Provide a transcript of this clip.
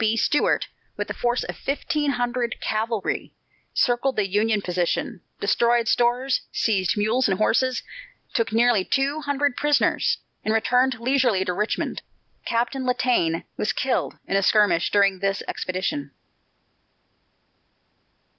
B. Stuart, with a force of fifteen hundred cavalry, circled the Union position, destroyed stores, seized mules and horses, took nearly two hundred prisoners, and returned leisurely to Richmond. Captain Latané was killed in a skirmish during this expedition.